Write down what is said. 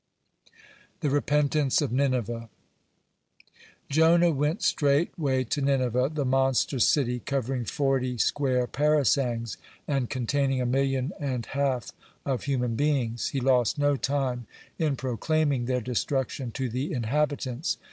(33) THE REPENTANCE OF NINEVEH Jonah went straightway to Nineveh, the monster city covering forty square parasangs and containing a million and half of human beings. He lost no time in proclaiming their destruction to the inhabitants.